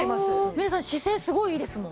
みれさん姿勢すごいいいですもん。